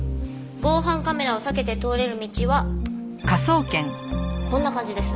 防犯カメラを避けて通れる道はこんな感じです。